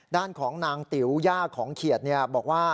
ด้านของนางติ๋วย่าของเขียดบอกว่า